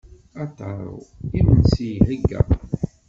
A Taro, imensi iheyya.